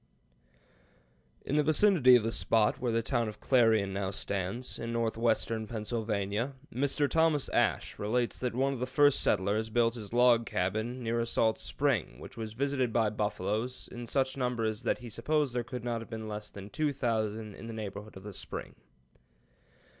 ] In the vicinity of the spot where the town of Clarion now stands, in northwestern Pennsylvania, Mr. Thomas Ashe relates that one of the first settlers built his log cabin near a salt spring which was visited by buffaloes in such numbers that "he supposed there could not have been less than two thousand in the neighborhood of the spring."